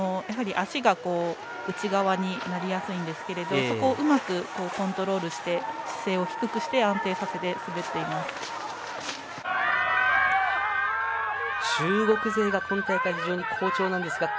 やはり足が内側になりやすいんですがそこをうまくコントロールして姿勢を低くして安定させて滑っています。